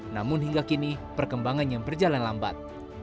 namun hingga kini perkembangannya berjalan lambat